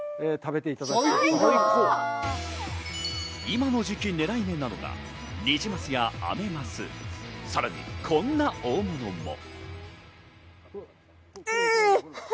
今の時期、狙い目なのがニジマスやアメマス、さらにこんな大物も。